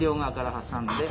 挟んで。